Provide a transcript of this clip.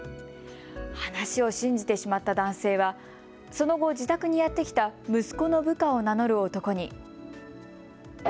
話を信じてしまった男性はその後、自宅にやって来た息子の部下を名乗る男に。